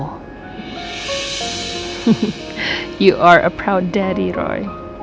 kamu adalah ayah yang bangga roy